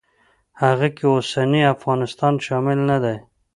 هغه کې اوسنی افغانستان شامل نه دی.